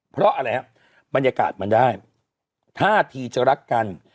เพราะอะไรฮะบรรยากาศมันได้ท่าทีจะรักกัน